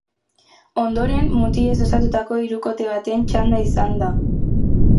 Ondoren, mutilez osatutako hirukote baten txanda izan da.